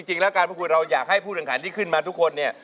จริงแล้วการพูดเราอยากให้ผู้จังหารที่ขึ้นมาทุกคน